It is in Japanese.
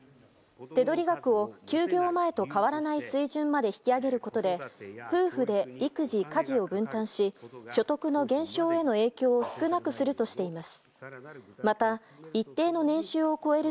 手取り額を休業前と変わらない水準まで引き上げることで夫婦で育児・家事を分担し所得の減少への影響を少なくするとしています。